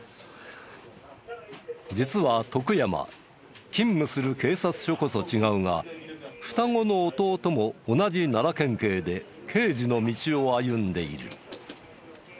実は徳山勤務する警察署こそ違うが双子の弟も同じ奈良県警で刑事の道を歩んでいる。